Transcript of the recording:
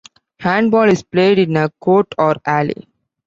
Handball is played in a court, or "alley".